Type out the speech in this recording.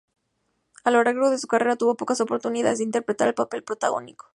A lo largo de su carrera tuvo pocas oportunidades de interpretar el papel protagónico.